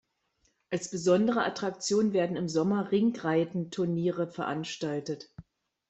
Als besondere Attraktion werden im Sommer Ringreiten-Turniere veranstaltet.